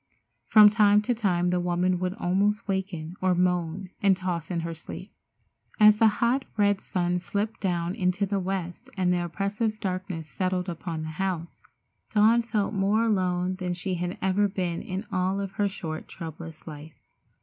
From time to time the woman would almost waken or moan and toss in her sleep. As the hot, red sun slipped down in the west and the oppressive darkness settled upon the house, Dawn felt more alone than she had ever been in all of her short, troublous life.